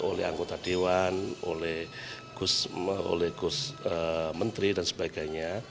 oleh anggota dewan oleh gus menteri dan sebagainya